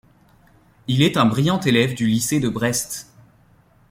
Il est un brillant élève du lycée de Brest.